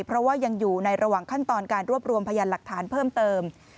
เพราะว่ายังอยู่ในระหว่างขั้นตอนการรวบรวมพยานหลักฐานเพิ่มเติม